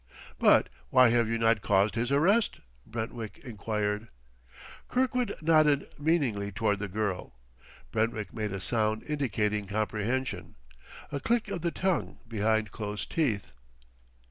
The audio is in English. "But why have you not caused his arrest?" Brentwick inquired. Kirkwood nodded meaningly toward the girl. Brentwick made a sound indicating comprehension, a click of the tongue behind closed teeth.